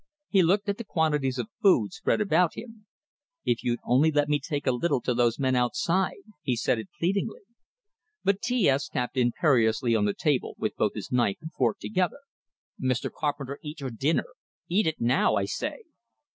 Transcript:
He looked at the quantities of food spread about him. "If you'd only let me take a little to those men outside!" He said it pleadingly. But T S tapped imperiously on the table, with both his knife and fork together. "Mr. Carpenter, eat your dinner! Eat it, now, I say!"